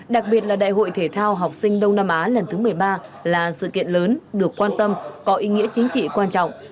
đặc biệt là đại hội thể thao học sinh đông nam á lần thứ một mươi ba là sự kiện lớn được quan tâm có ý nghĩa chính trị quan trọng